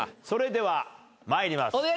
それでは参ります。